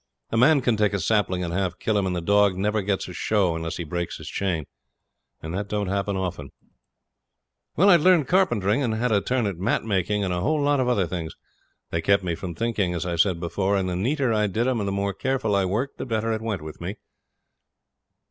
A man can take a sapling and half kill him, and the dog never gets a show unless he breaks his chain, and that don't happen often. Well, I'd learned carpentering and had a turn at mat making and a whole lot of other things. They kept me from thinking, as I said before, and the neater I did 'em and the more careful I worked the better it went with me.